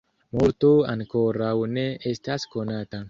Multo ankoraŭ ne estas konata.